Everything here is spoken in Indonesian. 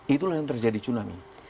itulah yang terjadi tsunami